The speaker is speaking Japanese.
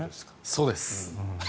そうです。